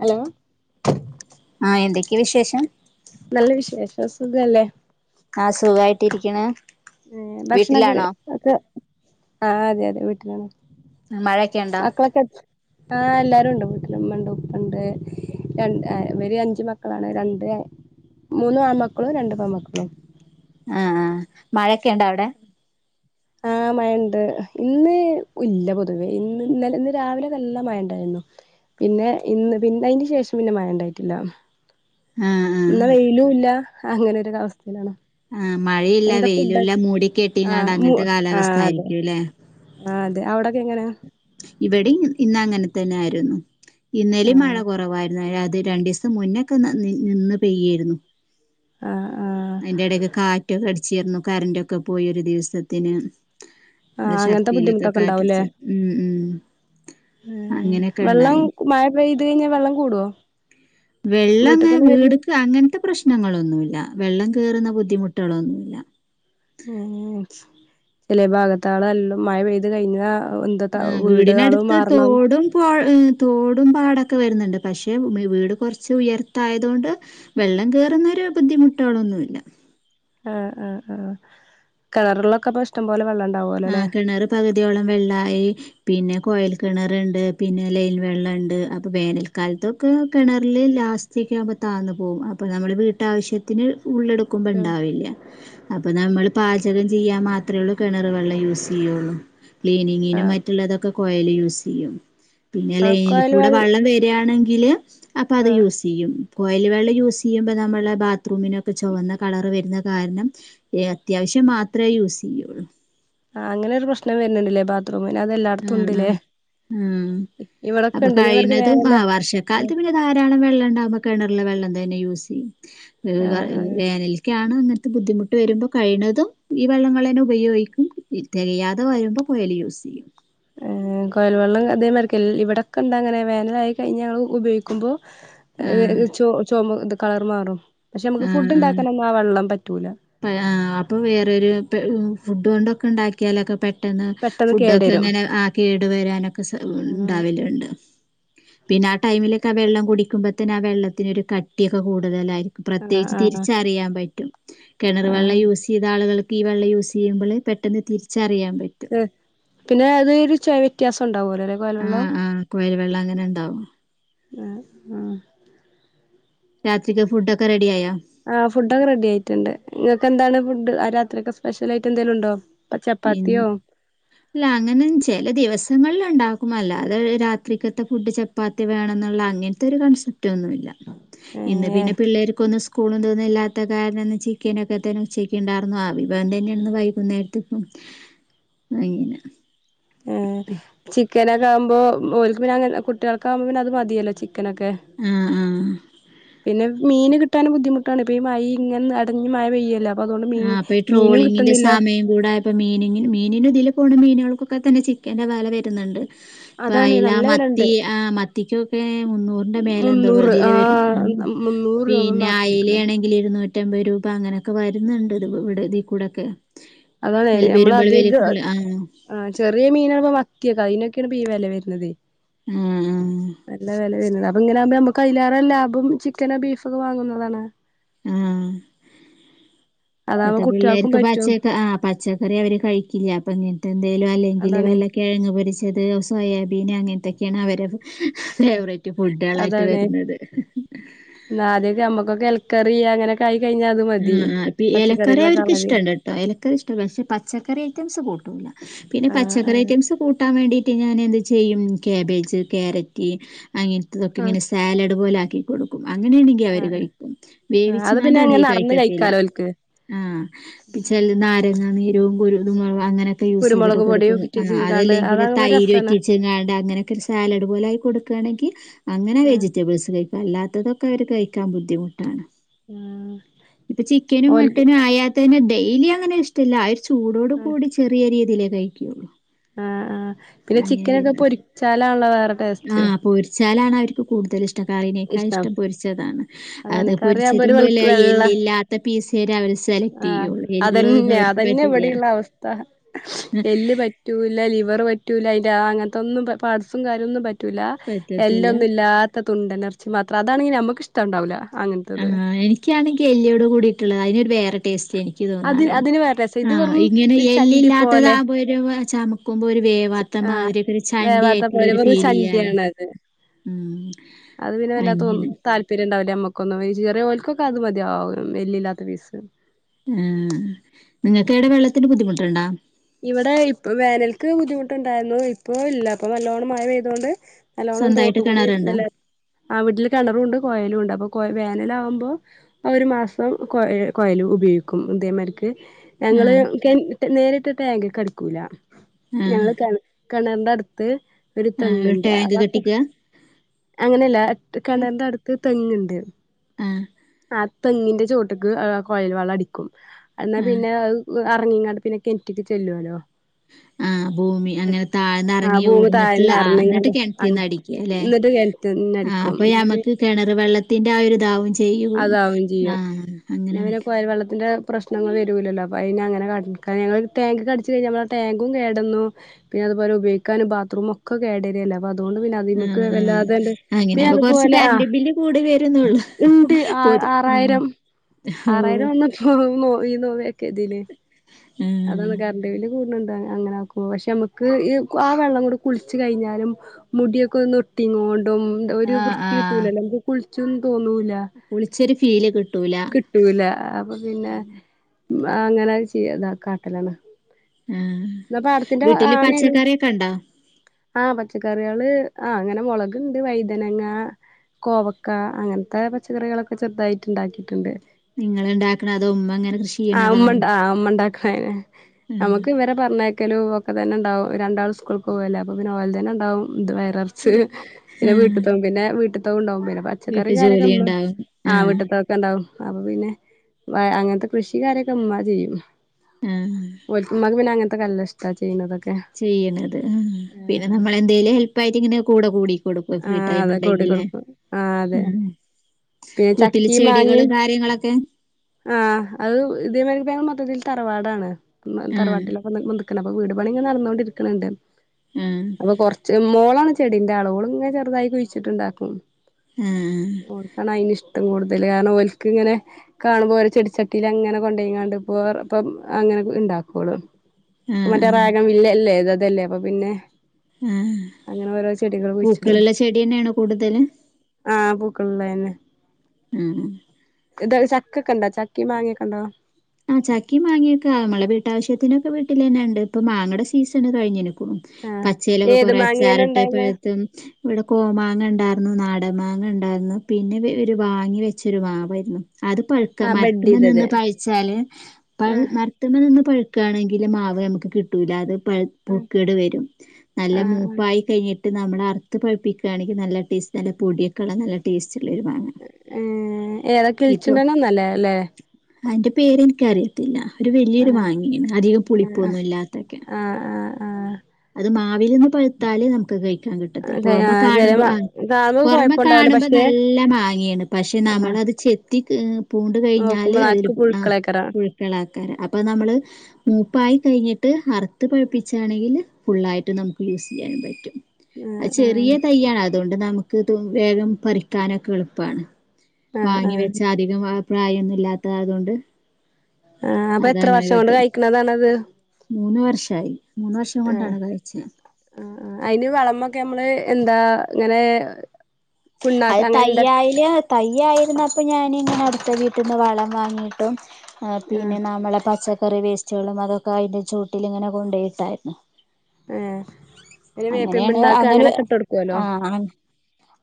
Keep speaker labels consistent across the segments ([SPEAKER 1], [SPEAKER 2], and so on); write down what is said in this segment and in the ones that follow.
[SPEAKER 1] Hello
[SPEAKER 2] ആഹ് എന്തെക്കെ വിശേഷം?
[SPEAKER 1] നല്ല വിശേഷ. സുഖല്ലേ?
[SPEAKER 2] ആഹ് സുഖായിട്ടിരിക്ക് ണ്
[SPEAKER 1] ഏഹ് ഭക്ഷണൊക്കെ ഒക്കെ ആഹ് അതെ യതെ വീട്ടിലാണ്.
[SPEAKER 2] മഴയൊക്കെ ഉണ്ടോ
[SPEAKER 1] മക്കളൊക്കെ ആഹ് എല്ലാരുണ്ട് വീട്ട്ല് ഉമ്മ ണ്ട് ഉപ്പണ്ട് ര എഹ് ഇവര് അഞ്ച് മക്കളാണ് രണ്ടാ മൂന്ന് ആമക്കളും രണ്ടു പെമക്കളും
[SPEAKER 2] ആഹ് ആഹ് മഴെക്കെ ണ്ട വടെ?
[SPEAKER 1] ആഹ് മയണ്ട് ഇന്ന് ഇല്ല പൊതുവേ ഇന്ന് ഇന്നലെ ഇന്ന് രാവിലെ നല്ല മയണ്ടായിര്ന്നു. പിന്നെ ഇന്ന് പിന്നെ അയ്ൻ്റെ ശേഷം പിന്നെ മഴണ്ടായിട്ടില്ല.
[SPEAKER 2] ആഹ്
[SPEAKER 1] എന്ന
[SPEAKER 2] ആഹ്
[SPEAKER 1] വെയിലുല്ല അങ്ങനൊരു അവസ്ഥയിലാണ്.
[SPEAKER 2] ആഹ് മഴയില്ല
[SPEAKER 1] എന്താ
[SPEAKER 2] വെയിലൂല്ല
[SPEAKER 1] ഫുഡൊക്കെ
[SPEAKER 2] മൂടി കെട്ടീങ്ങാണ്ട്
[SPEAKER 1] ആഹ് മു
[SPEAKER 2] അങ്ങൻത്തെ
[SPEAKER 1] ആഹ് അതെ
[SPEAKER 2] കാലാവസ്ഥായിരിക്കുല്ലേ
[SPEAKER 1] ആഹ് തെ അവടൊക്കെങ്ങനെ?
[SPEAKER 2] ഇവടിം ഇന്ന ങ്ങൻ തെന്നായിരുന്നു. ഇന്നലിം മഴ
[SPEAKER 1] ആഹ്
[SPEAKER 2] കൊറവായിരുന്നു അത് അത് രണ്ടിസം മുന്നെക്കെ ന്ന നി നിന്ന് പെയ്യേര്ന്നു
[SPEAKER 1] ആഹ് ആഹ്
[SPEAKER 2] അയ്ന്റെ ടെക്ക് കാറ്റൊക്കടിച്ചീർന്നു കര്ന്റൊക്കെ പോയി ഒരു ദിവസത്തിന് നല്ല
[SPEAKER 1] ആഹ് അങ്ങനത്തെ
[SPEAKER 2] ശക്തിയിലൊക്കെ
[SPEAKER 1] ബുദ്ധിമുട്ടൊക്കെ ഉണ്ടാവൂല്ലേ
[SPEAKER 2] കാറ്റിട്ച്ചെ ഉം ഉം
[SPEAKER 1] ഏഹ്
[SPEAKER 2] അങ്ങനെക്കെ
[SPEAKER 1] വെള്ളം
[SPEAKER 2] ണ്ടായി.
[SPEAKER 1] മഴ പെയ്ത് കഴ്ഞ്ഞാ വെള്ളം കൂടോ?
[SPEAKER 2] വെള്ളന്ന് വീട്ക്ക് അങ്ങൻത്തെ പ്രശ്നങ്ങളൊന്നുല്ല വെള്ളം കേറ്ന്ന ബുദ്ധിമുട്ടുകളൊന്നുല്ല.
[SPEAKER 1] ഉം ഉം ചെലെ ഭാഗത്താളല്ലോം മഴ പെയ്ത് കഴിഞ്ഞ
[SPEAKER 2] ഉം വീടിനട്ത്ത് തോടും പോ [unintelligible] തോടും പാടൊക്കെ വെര്ന്ന്ണ്ട് പക്ഷേ മ് വീട് കൊർച്ച് ഉയരത്തായതോണ്ട് വെള്ളം കേറുന്നൊരു ബുദ്ധിമുട്ടുകളൊന്നുല്ല.
[SPEAKER 1] ആഹ് ആഹ് ആഹ് കണറ്ലൊക്കെപ്പൊ ഇഷ്ടംപോലെ വെള്ളണ്ടാവോലോ
[SPEAKER 2] ആ
[SPEAKER 1] ല്ലെ
[SPEAKER 2] കിണറ് പകുതിയോളം വെള്ളായി പിന്നെ കോയൽ കണറ്ണ്ട് പിന്നെ ലൈൻ വെള്ള ണ്ട് അപ്പൊ വേനൽക്കാലത്തൊക്കെ കിണറില് ലാസ് റ്റൊക്കാവുമ്പോ താന്ന് പോവും അപ്പോ നമ്മള് വീട്ടാശ്യത്തിന് ഉള്ളെട് ക്കുംമ്പണ്ടാവേല അപ്പോ നമ്മള് പാചകം ചെയ്യാൻ മാത്രേള്ളൂ കെണ റ് വെള്ളം യൂസെയ്യൊള്ളു ക്ലീനിങ്ങിനും
[SPEAKER 1] ആഹ്
[SPEAKER 2] മറ്റുള്ളതൊക്കെ കോയല് യൂസെയ്യും. പിന്നെ
[SPEAKER 1] ആഹ്
[SPEAKER 2] ലൈലി
[SPEAKER 1] കൊഴൽ
[SPEAKER 2] കൂടെ
[SPEAKER 1] വെള്ള
[SPEAKER 2] വള്ളം വെരാണെങ്കില് അപ്പൊ അത്
[SPEAKER 1] ആഹ്
[SPEAKER 2] യൂസ് യ്യും കൊയല് വെള്ളം യൂസെയ്യുമ്പോ നമ്മള് ബാത്റൂമിനൊക്കെ ചോവന്ന കളറ് വര്ന്ന കാരണം ഏഹ് അത്യാവശ്യം മാത്രേ യൂസെയ്യൊള്ളൂ
[SPEAKER 1] ആഹ് അങ്ങനൊരു പ്രശ്നം വര്ന്ന്ണ്ട്ല്ലേ ബാത്റൂമിന് അത് എല്ലാട്ത്തുണ്ട്ല്ലേ
[SPEAKER 2] ഉം അപ്പൊ കഴിണതും
[SPEAKER 1] വേനല്
[SPEAKER 2] ആഹ് വർഷക്കാലത്ത് പിന്നെ ധാരാളം വെള്ളണ്ടാവുമ്പോ കെണറിലെ വെള്ളം തെന്നെ യൂസെയ്യും എഹ് വ
[SPEAKER 1] ആഹ് ആഹ്
[SPEAKER 2] വേനൽ ക്കാണ് ഇങ്ങൻത്തെ ബുദ്ധിമുട്ട് വരുമ്പോ കഴിണതും ഈ വെള്ളങ്ങളേനെ ഉപയോഗിക്കും തെകയാതെ വരുമ്പോൾ കുയല് യൂസെയ്യും.
[SPEAKER 1] ആഹ് കോയൽവെള്ളം അതേമാതിരിക്കെല്ല ഇവടെക്കെണ്ടങ്ങനെ വേനലായി കഴിഞ്ഞ ങ്ങൾ ഉപയോഗിക്കുമ്പോ
[SPEAKER 2] ആഹ്
[SPEAKER 1] എഹ് ചൊ ചൊമ ത് കളറ് മാറും പക്ഷെ അമ്മക്ക്
[SPEAKER 2] ആഹ്
[SPEAKER 1] ഫുഡ്
[SPEAKER 2] ആഹ്
[SPEAKER 1] ണ്ടാക്കാനൊന്നും ആ വെള്ളം പറ്റൂല.
[SPEAKER 2] പ ആഹ് അപ്പൊ വേറൊര് പ എഹ് ഫുഡൊ ണ്ടൊക്കെണ്ടാക്ക്യാലെക്കെ പെ ട്ടെന്ന്
[SPEAKER 1] പെട്ടെന്ന്
[SPEAKER 2] ഫുഡൊക്കെ
[SPEAKER 1] കേടരും
[SPEAKER 2] ങ്ങനെ ആഹ് കേടു വരാനൊക്കെ സ ഉം
[SPEAKER 1] ആഹ്
[SPEAKER 2] ഇണ്ടാവല്ണ്ട്. പിന്നെ ആ ടൈമിലൊക്കെ വെള്ളം കുടിക്കുമ്പോത്തിന് ആ വെള്ളത്തിന് കട്ട്യൊക്കെ കൂടുതലായിരി
[SPEAKER 1] ആഹ്
[SPEAKER 2] പ്രത്യേകിച്ച്
[SPEAKER 1] ആഹ്
[SPEAKER 2] തിരിച്ചറിയാൻ പറ്റും കിണർ വെള്ളം
[SPEAKER 1] ആഹ്
[SPEAKER 2] യൂ സീതലുകൾക്ക് ഈ വെള്ളം യൂസ് ചെയ്യുമ്പള് പെട്ടെന്ന് തിരിച്ചറിയാൻ പറ്റും
[SPEAKER 1] പിന്നെ അതൊരു ചൊയ വ്യത്യാസം ഉണ്ടാവല്ലോലെ കൊഴൽവെള്ളം
[SPEAKER 2] കോയൽ വെള്ളം അങ്ങനെ ഉണ്ടാവും
[SPEAKER 1] ആ ആ
[SPEAKER 2] രാത്രിക്ക് ഫുഡൊക്കെ റെഡിയായോ
[SPEAKER 1] ആ ഫുഡൊക്കെ റെഡി ആയിട്ടുണ്ട് നിങ്ങൾക്ക് എന്താണ് ഫുഡ്‌ ആ രാത്രിയൊക്കെ സ്പെഷ്യൽ ആയിട്ട് എന്തേലും ഒണ്ടോ ചപ്പാത്തിയോ
[SPEAKER 2] ഇല്ല അങ്ങനെ ചില ദിവസങ്ങളിൽ ഉണ്ടാക്കും അല്ല അത് രാത്രിക്കത്തെ ഫുഡ് ച പ്പാത്തി വേണം എന്നുള്ള അങ്ങനത്തെ ഒരു കൺസെപ്റ്റൊന്നുല്ല ഇന്ന്
[SPEAKER 1] ഏഹ്
[SPEAKER 2] പിന്നെ പിള്ളേര്ക്കൊന്നും സ്കൂള് എന്തോന്നും ഇല്ലാത്ത കാരണം ഇന്ന് ചിക്കനൊക്കെ തന്നെ ഉച്ചയ്ക്ക്‌ ഉണ്ടായിരുന്നു ആ വിഭവം തന്നെയാണിന്ന് വൈകുന്നേരം ത്തിപ്പം അങ്ങനെ
[SPEAKER 1] ഓ ചിക്കന് അതാവുമ്പോ ഓൽക്ക്‌ പിന്നെ അങ്ങനെ കുട്ടികൾക്ക്‌ ആകുമ്പോ പിന്നെ അത് മതിയല്ലോ ചി ക്കനൊക്കെ
[SPEAKER 2] ആഹ് ആഹ്
[SPEAKER 1] പിന്നെ മീന് കിട്ടാന് ബുദ്ധിമുട്ടാണ് പ്പൊ ഈ മഴ ഇങ്ങനെ അടഞ്ഞ് മഴ പെയ്യല്ലോ അതുകൊണ്ട് മീ
[SPEAKER 2] ആഹ് അപ്പൊ ഈ
[SPEAKER 1] മീനും
[SPEAKER 2] ട്രോളിങ്ങിന്റെ
[SPEAKER 1] കിട്ടുന്നില്ല
[SPEAKER 2] സമയം കൂടായപ്പോ മീ മീനിന് ഇതിൽ പോകുന്ന മീനുകൾക്കൊക്കെ തന്നെ ചിക്കന്റെ വല വരുന്നുണ്ട് അപ്പ
[SPEAKER 1] അതാണ്
[SPEAKER 2] ഐല
[SPEAKER 1] നല്ല വെലണ്ട്
[SPEAKER 2] മത്തി ആ മത്തിക്കൊക്കെ മുന്നൂറിന്റെ മേലെ
[SPEAKER 1] മുന്നൂറ്
[SPEAKER 2] എന്തോദിലെ
[SPEAKER 1] ആ
[SPEAKER 2] വരു
[SPEAKER 1] മുന്നൂറ് രൂപ
[SPEAKER 2] പിന്നെ അയില
[SPEAKER 1] മത്തിക്ക്
[SPEAKER 2] ആണെ ഇരുന്നൂറ്റമ്പത് രൂപ അങ്ങനൊക്കെ വരുന്നുണ്ട് ഇത് ഇവിടെ ഇതി കൂടൊക്കെ
[SPEAKER 1] അതാണ് നമ്മള്
[SPEAKER 2] വരുമ്പാൾ
[SPEAKER 1] അധിക
[SPEAKER 2] വേലൊക്കെള്ള ആ
[SPEAKER 1] ആ ചെറിയ മീൻ ആണ് മത്തിയൊക്കെ അതിനൊക്കെയാണ് പ്പീ വില വരുന്നത്
[SPEAKER 2] ആഹ് ആഹ്
[SPEAKER 1] നല്ല വില വരുന്നത് അപ്പൊ ഇങ്ങനെ ആവുമ്പോ നമ്മ കൈയിലാറ ലാഭം ചിക്കനോ ബീഫോ ഒക്കെ വാങ്ങുന്നതാണ്
[SPEAKER 2] ആഹ്
[SPEAKER 1] അതാവുമ്പോ
[SPEAKER 2] ഇപ്പത്തെ
[SPEAKER 1] കുട്ടികൾക്കും
[SPEAKER 2] പിള്ളേർക്ക്
[SPEAKER 1] പറ്റും
[SPEAKER 2] പച്ചക്ക ആ പച്ചക്കറി അവര് കഴിക്കില്ല അപ്പ ഇങ്ങനത്തെ എന്തെലും അല്ലെങ്കില്
[SPEAKER 1] അതാണ്
[SPEAKER 2] വല്ല കിഴങ്ങ് പൊരിച്ചത് സോയാബീൻ അങ്ങനത്തൊക്കെയാണ് അവരെ ഫേവറേറ്റ് ഫുഡുകളായിട്ട് വരുന്നത്
[SPEAKER 1] എന്ന ആദ്യൊക്കെ നമ്മുക്കൊക്കെൽക്കറി അങ്ങനൊക്കെ ആയി കഴിഞ്ഞാ അത് മതി പച്ചക്കറികളൊക്കെ മതി
[SPEAKER 2] ആ എലക്കറി ഇഷ്ട്ടാ പക്ഷെ പച്ചക്കറി ഐറ്റംസ് കൂട്ടൂല്ല. പിന്നെ
[SPEAKER 1] ആ ആ
[SPEAKER 2] പച്ചക്കറി ഐറ്റംസ് കൂട്ടാൻ വേണ്ടിട്ട് ഞാൻ എന്ത് ചെയ്യും കാബേജ്, ക്യാരറ്റ്. അങ്ങൻത്തെതൊക്കെ
[SPEAKER 1] ആ
[SPEAKER 2] ഇങ്ങനെ സാലഡ് പോലെ ആക്കി. കൊടുക്കും അങ്ങനാണെങ്കി അവര്
[SPEAKER 1] ആഹ്
[SPEAKER 2] കഴിക്കും
[SPEAKER 1] ആഹ് അത് പിന്നെ അങ്ങനെ
[SPEAKER 2] വേവിച്ച്കാണ്ടാണെങ്കി കഴി
[SPEAKER 1] നടന്ന് കഴിക്കാലോ ഓൽക്ക്
[SPEAKER 2] ആഹ് പ് ചെൽനാരങ്ങ നീരും കുരുമൊളകും അങ്ങനെ. ക്കെ യൂസെയ്തിട്ട്
[SPEAKER 1] കുരുമുളക് പൊടിയും
[SPEAKER 2] കൊടുക്കും ആ
[SPEAKER 1] ഉറ്റിച്ച്ക്കാണ്ട്
[SPEAKER 2] അതല്ലെങ്കിൽ
[SPEAKER 1] അതാകുമ്പോ
[SPEAKER 2] തൈര്
[SPEAKER 1] രസാണ്
[SPEAKER 2] ഉറ്റിച്ചങ്ങാണ്ട് അങ്ങനെയൊക്കെ ഒരു സാലഡ് പോലെ ആയി കൊടു ക്കാണെങ്കി അങ്ങനെ
[SPEAKER 1] ആഹ്
[SPEAKER 2] വെജിറ്റബിൾസ് കഴിക്കും അല്ലാത്തതൊക്കെ അവര് കഴിക്കാൻ ബുദ്ധിമുട്ടാണ്.
[SPEAKER 1] ആഹ്.
[SPEAKER 2] ഇപ്പൊ ചിക്കനും
[SPEAKER 1] ഓൽക്ക്
[SPEAKER 2] മട്ടനും ആയാ തന്നെ ഡെയിലി അങ്ങനെ ഇഷ്ട്ടല്ല ആ ഒരു ചൂടോട്
[SPEAKER 1] ആഹ്
[SPEAKER 2] കൂടി ചി ചെറിയ രീതിയിലേ കഴിക്കുള്ളൂ.
[SPEAKER 1] ആഹ് ആഹ് പിന്നെ
[SPEAKER 2] അങ്ങനെ
[SPEAKER 1] ചിക്കനൊക്കെ
[SPEAKER 2] വരുന്ന
[SPEAKER 1] പൊരിച്ചാലോള്ള വേറെ. ടേസ്റ്റ്
[SPEAKER 2] ആഹ് പൊര്ച്ചാലാണ് അവർക്ക് കൂടുതൽ ഇഷ് ട്ട കറിനേക്കാ
[SPEAKER 1] ഇഷ്ടം
[SPEAKER 2] ഇഷ്ട്ടം പൊരിച്ചതാണ് അത്
[SPEAKER 1] അതാണ് കറിയാവുമ്പോ ഒരു വെൾ
[SPEAKER 2] പൊരിച്ചതുംപോലെ
[SPEAKER 1] വെള്ള
[SPEAKER 2] എല്ലില്ലാ ത്ത പീസേ ര് അവര്
[SPEAKER 1] ആഹ്
[SPEAKER 2] സെലക്ടറ്റെയ്യുള്ളു എല്ലുള്ളതൊന്നും
[SPEAKER 1] അതന്നെ
[SPEAKER 2] അവര്ക്ക്
[SPEAKER 1] അതന്നെ
[SPEAKER 2] പറ്റില്യ
[SPEAKER 1] ഇവിടെള്ള റ്റൂല ലിവർ പറ്റൂല അയ്ന്റെ ആ അങ്ങൻത്തൊന്നും പ പാട്സും കാര്യൊന്നും പ റ്റൂല
[SPEAKER 2] പറ്റത്തില്ല
[SPEAKER 1] എല്ലൊന്നും ഇല്ലാത്ത തുണ്ടനെർച്ചി മാത്രം അതാണെങ്കി നമ്മുക്ക്ഷ്ട്ടണ്ടാവൂല.
[SPEAKER 2] ആഹ് എനിക്കാണെങ്കി എല്ല്യോട് കൂടിയിട്ടുള്ളതാ അയ്നൊരു വേറെ. ടേസ്റ്റ് എനിക്ക്
[SPEAKER 1] അത്
[SPEAKER 2] തോന്നാര്.
[SPEAKER 1] അതിന് വേറെ രസം ഇത്
[SPEAKER 2] ആഹ്
[SPEAKER 1] വെറും
[SPEAKER 2] ഇങ്ങനെ
[SPEAKER 1] ഒരു ചണ്ടി പോലെ
[SPEAKER 2] എല്ല്ല്ലാത്തതാവുമ്പോരുവാ ചമക്കുമ്പോ ഒരു വേവാത്ത
[SPEAKER 1] ആഹ്
[SPEAKER 2] ത്തമാതിരിയൊക്കെ ഒരു ചണ്ടി
[SPEAKER 1] വേവാത്ത പോലെ
[SPEAKER 2] ആയിട്ടുള്ളൊരു
[SPEAKER 1] വെറും
[SPEAKER 2] ഫീലെയ്യാലോ?
[SPEAKER 1] ചന്തിയാണത് അത് പിന്നെ വല്ലാത്തോന്നും. താല്പര്യണ്ടാവില്ല നമ്മക്കൊന്നും. ഈ ചെറിയോൽക്കൊക്കെ അത് മതിയാവും എല്ലില്ലാത്ത പീസ്.
[SPEAKER 2] ഏഹ് നിങ്ങക്ക് ഏടെ വെള്ളത്തിന് ബുദ്ധിമുട്ട്ണ്ടാ?
[SPEAKER 1] ഇവടെ ഇപ്പം വേനൽക്ക് ബുദ്ധിമുട്ടുണ്ടായിരുന്നു. ഇപ്പോ ഇല്ല ഇപ്പോ നല്ലോണം മയ പെയ്തോണ്ട്. നല്ലോണം തോട്ട്
[SPEAKER 2] സ്വന്തായിട്ട്
[SPEAKER 1] കൂടിം
[SPEAKER 2] കിണറുണ്ടോ?
[SPEAKER 1] നല്ല ആഹ് വീട്ടില് കെണറുണ്ട്. കൊയലുണ്ട്. അപ്പോ കൊ വേനലാവുമ്പോ. ആഹ് ഒരു മാസം കൊയ് കൊയൽ ഉപയോയ്ക്കും ഇതേമാരി ക്ക് ഞങ്ങള്
[SPEAKER 2] ആഹ്
[SPEAKER 1] കെൻ നേരിട്ട് ടാങ്ക്ക്ക് അടിക്കൂല.
[SPEAKER 2] ആഹ്
[SPEAKER 1] ഞങ്ങള് കെൺ കെണറിന്റെ അട്ത്ത് ഒരു
[SPEAKER 2] ആഹ്
[SPEAKER 1] തെങ്ങ്ണ്ട്
[SPEAKER 2] ടാങ്ക്
[SPEAKER 1] അത് ഒക്കെ.
[SPEAKER 2] കെട്ടിക്കാ
[SPEAKER 1] അങ്ങനെ അല്ല ഏഹ് കെണറിന്റെ അട്ത്ത് തെങ്ങ്ണ്ട്.
[SPEAKER 2] ആഹ്.
[SPEAKER 1] ആഹ് തെങ്ങിന്റെ ചോട്ട്ക്ക് ഏഹ് കൊയൽ വള്ളം അടിക്കും. എന്നാ
[SPEAKER 2] ആഹ്
[SPEAKER 1] പിന്നെ അഹ് എറങ്ങിങ്ങാണ്ട് പിന്നെ കെൺ റ്റ്ക്ക് ചെല്ലുല്ലോ.
[SPEAKER 2] ആഹ് ഭൂമി
[SPEAKER 1] അത്
[SPEAKER 2] അങ്ങനെ താഴ്ന്ന്
[SPEAKER 1] ആഹ്
[SPEAKER 2] എറങ്ങി
[SPEAKER 1] ഭൂമി താഴ്ന്ന്
[SPEAKER 2] ഊർന്നിട്ടുള്ള ആഹ് എന്നിട്ട്
[SPEAKER 1] നെർഞ്ഞ്ങ്ങാണ്ട്. അങ്ക്
[SPEAKER 2] കിണറ്റിന്ന്
[SPEAKER 1] ഇന്ന്ട്ട്. ത്ത്ന്നെട്ക്കും.
[SPEAKER 2] ഇയമ്മ്ക്ക് കെണര് വെള്ളത്തിന്റെ ആഹ് ഒര്താവും ചെയ്യും
[SPEAKER 1] അതാവും ചിയ്യും.
[SPEAKER 2] ആഹ് അങ്ങനെ
[SPEAKER 1] ഇന്നാ പിന്നെ
[SPEAKER 2] വേണ്ട
[SPEAKER 1] കൊയൽ വെള്ളത്തിന്റെ പ്രശ്നങ്ങള് വരൂലല്ലോ. അപ്പോ അയ്നങ്ങനെ കാട്ട്ക്കാ ഞങ്ങള് ടാങ്ക്ക്കട്ച്ച് കഴിഞ്ഞാ നമ്മളെ ടാങ്കും കേടന്നു. പിന്നെ അതുപോലെ ഉപയോയ്ക്കാനും ബാത്റൂമൊക്കെ. കേടരല്ലേ അപ്പോ അതുകൊണ്ട് പിന്നെ അതിമ്മ്ക്ക്
[SPEAKER 2] ആഹ് ആഹ്
[SPEAKER 1] വല്ലാതെണ്ട്
[SPEAKER 2] അങ്ങനെ
[SPEAKER 1] പിന്നെ
[SPEAKER 2] അപ്പൊ കൊറച്ച്
[SPEAKER 1] അതുപോലെ
[SPEAKER 2] കറണ്ട്
[SPEAKER 1] ആഹ്
[SPEAKER 2] ബില്ല് കൂടി വര്ന്നുള്ളൂ. പൊതു ഹ്മ്
[SPEAKER 1] ഓഹ് നോയി നോവക്കെതില്
[SPEAKER 2] ആഹ്
[SPEAKER 1] അതാണ് കറണ്ട് ബില്ല് കൂട്ണ് ണ്ട് അതന്നെ കറന്റ്‌ ബില്ല് കൂട്ണ് ണ്ട് അങ്ങനെ ആക്കുമ്പം. പക്ഷേ നമ്മുക്ക് ഈ ആഹ് വെള്ളം ഇങ്ങട് കുളിച്ച് കഴിഞ്ഞാലും മുടിയൊക്കെ ഒന്ന് ഒട്ടിങ്ങൂണ്ടും, ഒരു
[SPEAKER 2] ആഹ്
[SPEAKER 1] വൃത്തി കിട്ടൂല്ലല്ലോ. നമുക്ക് കുളിച്ചുന്ന് തോന്നൂല്ല.
[SPEAKER 2] കുളിച്ചെര് ഫീല് കിട്ടൂല.
[SPEAKER 1] ക്കൂല. അപ്പോ പിന്നെ ഹ്മ് അങ്ങനെ ചിയതാതാക്കലാണ്.
[SPEAKER 2] ആഹ് വീട്ടില് പച്ചക്കറിയൊക്കെണ്ടോ?
[SPEAKER 1] ആഹ് പച്ചക്കറിയാള് ആഹ് ഇങ്ങനെ മൊളക്ണ്ട്. വൈതനങ്ങ. കോവക്ക അങ്ങൻത്തെ പച്ചക്കറികളൊക്കെ ചെർതായിട്ട് ഇണ്ടാക്കിയിട്ട്ണ്ട്.
[SPEAKER 2] നിങ്ങള് ഇണ്ടാക്ക്ണോ അതോ ഉമ്മങ്ങനെ കൃഷിയ്യ്ണതാണോ?
[SPEAKER 1] ഉമ്മണ്ട ആഹ് ഉമ്മ ഇണ്ടാക്കണന്നേ. നമുക്ക് ഇവരെ ക്കലും ഒക്കെ തന്നെ ഇണ്ടാവും. രണ്ടാളും സ്കൂൾക്ക് പൂവല്ലേ. അപ്പ പിന്നെ ഓൽതന്നെ ഇണ്ടാവും ഇത് വയറർ ച്ച് പിന്നെ
[SPEAKER 2] ആഹ്
[SPEAKER 1] വീട്ടിത്തതും. പിന്നെ വീട്ട്ത്തതുണ്ടാവും. പിന്നെ പച്ചക്കറി
[SPEAKER 2] വീട്ടു ജോലി
[SPEAKER 1] കാരൊക്കെ മ്മ
[SPEAKER 2] ഇണ്ടാവും
[SPEAKER 1] ആ
[SPEAKER 2] ആഹ്
[SPEAKER 1] വീട്ട്ത്ത ക്കണ്ടാവും. അപ്പോ പിന്നെ അങ്ങൻത്തെ കൃഷിക്കാര്യോക്കെ മ്മാ ചെയ്യും
[SPEAKER 2] ആഹ്
[SPEAKER 1] ഓൽക്ക് ഉമ്മാക്ക് പിന്നെ അങ്ങൻത്തെക്കെ ഇഷ്ടാ ചെയ്യ്ണതൊക്കെ
[SPEAKER 2] ചെയ്യണത്. പിന്നെ നമ്മളെ എന്തേലും ഹെൽപ് ആയിട്ട് ഇങ്ങനെ കൂടെ കൂടി കൊടുക്കും. ഫ്രീ
[SPEAKER 1] ആഹ്
[SPEAKER 2] ടൈം
[SPEAKER 1] അതെ കൂട്ടി
[SPEAKER 2] ഇണ്ടെങ്കില്.
[SPEAKER 1] കൊടുക്കും അതെ
[SPEAKER 2] ആഹ്
[SPEAKER 1] പിന്നെ
[SPEAKER 2] വീട്ടില്
[SPEAKER 1] ചക്കിം
[SPEAKER 2] ചെടികള്
[SPEAKER 1] മാങ്ങിം
[SPEAKER 2] കാര്യങ്ങളൊക്കെ
[SPEAKER 1] ആഹ് അത് ഇതേമാരിക്ക് ഞങ്ങൾ മൊത്തത്തിൽ തറവാടാണ്. ഉം
[SPEAKER 2] ആഹ്
[SPEAKER 1] തറവാട്ടിലും ന്ന് വന്തുക്ക്ണ്. അപ്പോ വീട് പണി ഇങ്ങനെ നടന്നൊണ്ടിരിക്കണ് ണ്ട്.
[SPEAKER 2] ആഹ്
[SPEAKER 1] അപ്പോ കൊറച്ച് മോളാണ് ചെടിന്റെ ആള്. ഓള് ഇങ്ങെനെ ചെറുതായി കുയിച്ചിട്ട്ണ്ടാക്കും.
[SPEAKER 2] ആഹ്
[SPEAKER 1] ഓർക്കാണ് അയിന്ഷ്ട കൂടുതല് കാരണം ഓൽക്ക്ങ്ങനെ കാണുമ്പോ ഒരോ ചെടിച്ചട്ടിലങ്ങനെ കൊണ്ടയിങ്കാണ്ട് പ്പോ ഇപ്പം അങ്ങനെണ്ടാക്കോള്ള്
[SPEAKER 2] ആഹ്
[SPEAKER 1] മറ്റേ
[SPEAKER 2] ആഹ്
[SPEAKER 1] റേഗംവില്ലല്ലേ ഇത് അതല്ലേ അപ്പോ പിന്നെ അങ്ങനെ ഓരോ ചെടികൾ കുഴിച്ചു
[SPEAKER 2] ക്കള് ള്ള ചെടിന്നെയാണോ കൂടുതൽ
[SPEAKER 1] ആഹ് പൂക്കളള്ള തന്നെ
[SPEAKER 2] ആഹ്
[SPEAKER 1] ഇത് ചക്കക്കെണ്ടോ ചക്കി മാങ്ങിയൊക്കെ ഉണ്ടോ
[SPEAKER 2] ആ ചക്കി മാങ്ങിയൊക്കെ മ്മെളെ വീട്ടാവശ്യത്തിനൊക്കെ വീട്ടിൽന്നെണ്ട് ഇപ്പൊ മാങ്ങയുടെ സീസൺ കഴിഞ്ഞി ക്കുണ്
[SPEAKER 1] ആഹ്
[SPEAKER 2] പച്ചയിലൊക്കെ
[SPEAKER 1] ഏത്
[SPEAKER 2] കൊറേ
[SPEAKER 1] മാങ്ങയാണ്
[SPEAKER 2] അച്ചാറിട്ട്
[SPEAKER 1] ഉണ്ടായിരുന്നെ
[SPEAKER 2] പഴ്ത്തും ഇവിടെ കോമാങ്ങണ്ടാർന്നു നാടൻ മാങ്ങ ണ്ടാർന്നു പിന്നെ ഒരു വാങ്ങി വെച്ചരു മാവായിരുന്നു അത് പഴുക്ക
[SPEAKER 1] ആഹ് ബെഡ്
[SPEAKER 2] മരത്ത്മ്മ
[SPEAKER 1] ചെയ്തത്
[SPEAKER 2] നിന്ന് പഴിച്ചാല് പഴ്
[SPEAKER 1] ആഹ്
[SPEAKER 2] മര് രത്തുമേനിന്ന് പഴുക്കാണെങ്കിൽ മാവ് നമുക്ക് കിട്ടൂല്ല അത് പഴ്
[SPEAKER 1] ആഹ്
[SPEAKER 2] പൂകേട് വരും നല്ല
[SPEAKER 1] ആഹ് ആഹ്
[SPEAKER 2] മൂപ്പായി കഴിഞ്ഞിട്ട് നമ്മള് അറുത്ത് പഴപ്പിക്കാണെങ്കിൽ നല്ല ടേസ്റ്റ് നല്ല പൊടിയൊക്കെുള്ള നല്ല ടേസ്റ്റ് ഉള്ളരുമാങ്ങ
[SPEAKER 1] ഏ ഏതാ കിളിച്ചുണ്ടൻഒന്നല്ല ല്ലേ
[SPEAKER 2] അതിൻ്റെ പേരെ എനിക്കറിയത്തില്ല ഒരു വലിയൊരു
[SPEAKER 1] ആഹ്
[SPEAKER 2] മാങ്ങിയാണ് അധികം
[SPEAKER 1] ആഹ്
[SPEAKER 2] പുളിപ്പൊന്നും ഇല്ലാത്തക്കെ
[SPEAKER 1] ആഹ് ആഹ് ആഹ്
[SPEAKER 2] അത് മാവിൽന്ന് പഴുത്താൽ നമുക്ക് കഴി കിട്ടത്തില്ല
[SPEAKER 1] അതെ ആ
[SPEAKER 2] പുറമെ
[SPEAKER 1] ചെല
[SPEAKER 2] കാണുമ്പോ
[SPEAKER 1] മാ
[SPEAKER 2] ആ
[SPEAKER 1] കാണുമ്പോ
[SPEAKER 2] പുറമെ
[SPEAKER 1] കൊഴപ്പണ്ടാവൂല
[SPEAKER 2] കാണുമ്പോ
[SPEAKER 1] പക്ഷെ
[SPEAKER 2] നല്ല മാങ്ങയാണ് പക്ഷെ
[SPEAKER 1] ആ
[SPEAKER 2] നമ്മൾത് ചെത് ത്തി പൂണ്ട്
[SPEAKER 1] നോക്കുമ്പോ
[SPEAKER 2] കഴിഞ്ഞാല് അതിൽ
[SPEAKER 1] നാക്ക് പുഴുക്കളേക്കാരം
[SPEAKER 2] ആപുഴ് കളക്കാരം അപ്പൊ നമ്മള് മൂപ്പായി കഴിഞ്ഞിട്ട് അറുത്ത് പഴിപ്പിച്ചാണെങ്കില് ഫുള്ളായിട്ട് നമുക്ക് യൂസ് ചെയ്യാനും പറ്റും
[SPEAKER 1] ആ
[SPEAKER 2] അഹ്
[SPEAKER 1] ആ
[SPEAKER 2] ചെറിയ തയ്യാണ് അതുകൊണ്ട് നമുക്ക് വേഗം പറിക്കാനൊക്കെ എളുപ്പാണ്
[SPEAKER 1] ആ ആ
[SPEAKER 2] വാങ്ങി വെച്ചാൽ അതികം പ്രായന്നും ഇല്ലാത്തായതുകൊണ്ട്
[SPEAKER 1] ആഹ് അപ്പൊ എത്ര വർഷം കൊണ്ട് കായിക്കണതാണത്
[SPEAKER 2] മൂന്ന് വർഷായി മൂന്ന് വർഷം കൊണ്ടാണ് കാഴ്ചെ
[SPEAKER 1] ആഹ് അതിന് വളമൊക്കെ നമ്മള് എന്താ ഇങ്ങനെ
[SPEAKER 2] അത്
[SPEAKER 1] പിണ്ണാക്ക് അങ്ങനെ എന്താ
[SPEAKER 2] തയ്യായില് തയ്യായിരുന്നപ്പൊ ഞാനിങ്ങനെ അടുത്ത വീട്ടിൽന്ന് വളം വാങ്ങിയിട്ടും ആ പിന്നെ നമ്മളെ പച്ചക്കറി വേസ്റ്റുകളും അതൊക്കെ അതിന്റെ ച്ചോട്ടിലിങ്ങനെ കൊണ്ടയിട്ടായിരുന്നു
[SPEAKER 1] ഏ പിന്നെ വേപ്പിൻ
[SPEAKER 2] അങ്ങനെയാണ്
[SPEAKER 1] പിണ്ണാക്ക്
[SPEAKER 2] അങ്ങനെ
[SPEAKER 1] അങ്ങനെയൊക്കെ ഇട്ട് കൊടുക്കുവല്ലോ
[SPEAKER 2] ആഹ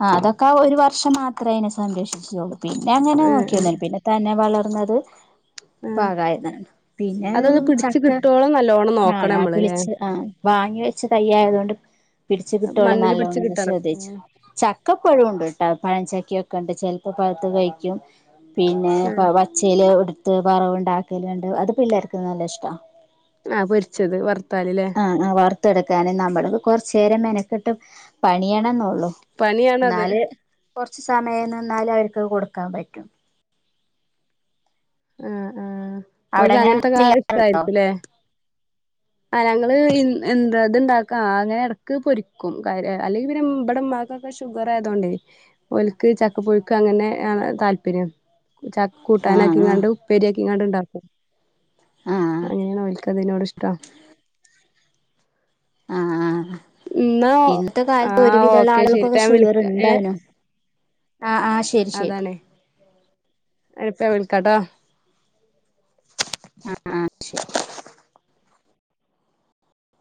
[SPEAKER 2] ആ അതൊക്കെ ഒരു വർഷം മാത്രമേ അയ്നെ സംരക്ഷിച്ചുള്ളൂ പിന്നെ അങ്ങനെ
[SPEAKER 1] ആ ആ
[SPEAKER 2] നോക്കിന്നുല്ല പിന്നെ തന്നെ വളർന്നത് പാകായതാണ് പിന്നെ
[SPEAKER 1] അതൊന്ന് പിടിച്ച്
[SPEAKER 2] ചക്ക
[SPEAKER 1] കിട്ടോളം നല്ലോണം
[SPEAKER 2] ആ
[SPEAKER 1] നോക്കണം
[SPEAKER 2] ആ
[SPEAKER 1] നമ്മള് ല്ലേ
[SPEAKER 2] പിളിച്ച് ആ വാങ്ങി വെച്ച് തയ്യായതുകൊണ്ട് പിടിച്ചു കിട്ടുവോളം
[SPEAKER 1] മണ്ണില് പിടിച്ച്
[SPEAKER 2] നല്ലോണംന്നു
[SPEAKER 1] കിട്ടണം
[SPEAKER 2] ശ്രദ്ധിച്ചു
[SPEAKER 1] ആ
[SPEAKER 2] ചക്കഇപ്പോഴുണ്ട് ട്ടാ പഴചക്കൊക്കെ ഉണ്ട് ചെലപ്പോ പഴുത്തു കഴിക്കും പിന്നെ പചേൽ എടുത്ത് വറവ് ഉണ്ടാക്ക ല്ണ്ട് അത് പിള്ളേർക്ക് നല്ല ഇഷ്ടാ
[SPEAKER 1] ആഹ പൊരിച്ചത് വർത്താലല്ലേ
[SPEAKER 2] ആ ആ വറുത്തെ എടുക്കാന നമ്മള കുറചേരം മെനക്കിട്ട് പണിയണംന്നള്ളു
[SPEAKER 1] പണിയാണത്
[SPEAKER 2] എന്നാല് കൊറച്ച് സമയം നിന്നാല അവർക്ക് കൊടുക്കാൻ പറ്റും
[SPEAKER 1] ആഹ ആ ഒരിക്ക
[SPEAKER 2] അവിടെങ്ങനെ അങ്ങനെ
[SPEAKER 1] അങ്ങനത്തെൊക്കെ
[SPEAKER 2] ചെയ്യാറുണ്ടോ
[SPEAKER 1] ഇഷ്ടായിരിക്കല്ലേ ആ ഞങ്ങള് എന്താ ഇതുണ്ടാക്കാം അങ്ങനെ ഇടക്ക് പൊരിക്കും ക അല്ലെങ്കിൽ പിന്നെമ്മടെ ക്കെ ഷുഗർ ആയതൊണ്ടേ ഒലക്ക് ചക്ക പുൊഴുക്ക് അങ്ങനെയ ആണ് താല്പര്യം ചക്ക കൂട്ടാന
[SPEAKER 2] ആ ആ
[SPEAKER 1] ഇക്കി ഇങ്ങാണ്ട ഇണ്ടാക്കും
[SPEAKER 2] ആ
[SPEAKER 1] അങ്ങനെയണോ ഒൽക്കത്തിനോട് ഇഷ്ട
[SPEAKER 2] ആഹ ആ്
[SPEAKER 1] എന്നാ
[SPEAKER 2] ഇന്നത്തെ
[SPEAKER 1] ആ
[SPEAKER 2] കാലത്ത് ഒരുവിധമുള്ള
[SPEAKER 1] ഓക്കെ ശരി
[SPEAKER 2] ആളുകൾക്കൊക്കെ
[SPEAKER 1] ട്ടാ ഞാൻ
[SPEAKER 2] ഷുഗർ
[SPEAKER 1] വിളിക്ക
[SPEAKER 2] ഉണ്ടാണും ആഹ് ആഹ്
[SPEAKER 1] അതണെ ഇപ്പാ വിളിക്കാട്ടോ